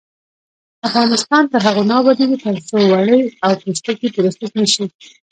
افغانستان تر هغو نه ابادیږي، ترڅو وړۍ او پوستکي پروسس نشي.